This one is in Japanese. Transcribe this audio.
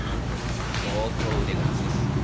相当売れるはずです。